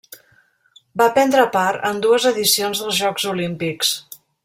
Va prendre part en dues edicions dels Jocs Olímpics.